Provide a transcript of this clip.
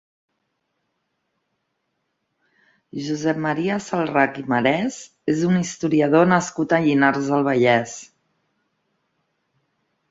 Josep Maria Salrach i Marès és un historiador nascut a Llinars del Vallès.